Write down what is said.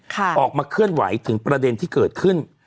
ออกมาเคลื่อนไหวถึงประเด็นที่เกิดขึ้น